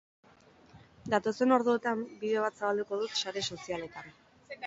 Datozen orduotan bideo bat zabalduko dut sare sozialetan.